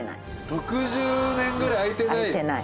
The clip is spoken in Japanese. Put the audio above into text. ６０年くらい開いてない！？